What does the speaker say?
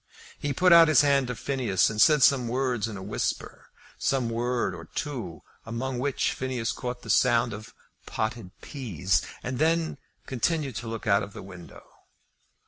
He put out his hand to Phineas, and said some word in a whisper, some word or two among which Phineas caught the sound of "potted peas," and then continued to look out of the window.